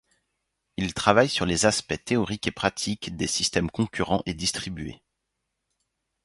Il travaille sur les aspects théoriques et pratiques des systèmes concurrents et distribués.